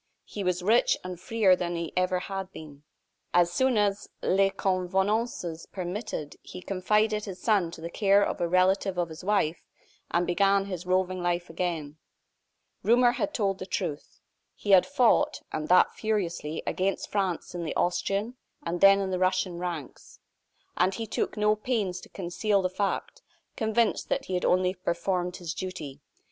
He was free and richer than he had ever been. As soon as les convenances permitted, he confided his son to the care of a relative of his wife, and began his roving life again. Rumor had told the truth. He had fought, and that furiously, against France in the Austrian, and then in the Russian ranks. And he took no pains to conceal the fact; convinced that he had only performed his duty.